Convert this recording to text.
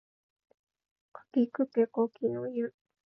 かきくけこきのゆ